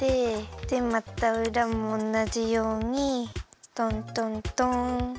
でまたうらもおんなじようにトントントン！